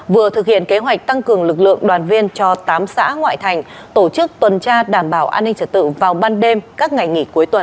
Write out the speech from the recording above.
vừa thực hiện kế hoạch tăng cường lực lượng đoàn viên cho tám xã ngoại thành tổ chức tuần tra đảm bảo an ninh trật tự vào ban đêm các ngày nghỉ cuối tuần